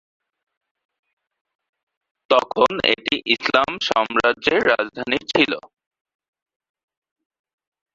তখন এটি ইসলামি সাম্রাজ্যের রাজধানী ছিল।